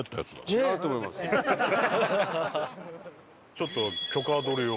ちょっと許可取りを。